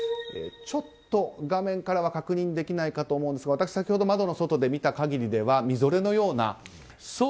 ちょっと画面からは確認できないかと思いますが私、先ほど窓の外で見た限りではみぞれのような。